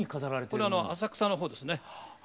これは浅草の方ですね。